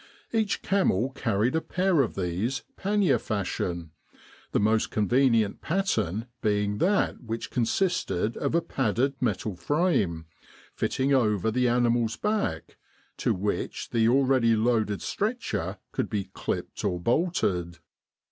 Each camel carried a pair of these pannier fashion, the most convenient pattern being that which con sisted of a padded metal frame, fitting over the animal's back, to which the already loaded stretcher could be clipped or bolted.